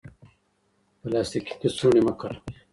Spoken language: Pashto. پلاستیکي کڅوړې مه کاروئ.